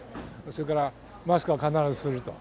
それからマスクは必ずすると。